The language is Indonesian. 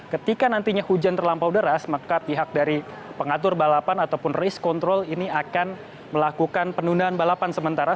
ketika nantinya hujan terlampau deras maka pihak dari pengatur balapan ataupun risk control ini akan melakukan penundaan balapan sementara